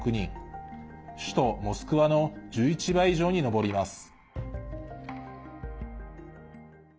首都モスクワの１１倍以上に上ります。